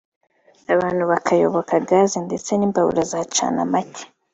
abantu bakayoboka gaze ndetse n’imbabura za canamake”